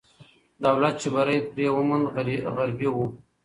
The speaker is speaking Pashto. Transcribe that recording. دولت چې بری پرې وموند، غربي وو.